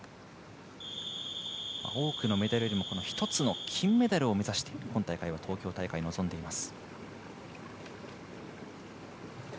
多くのメダルよりも１つの金メダルを目指して東京大会、臨んでいます。